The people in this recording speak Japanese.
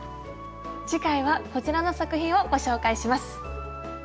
次回はこちらの作品をご紹介します。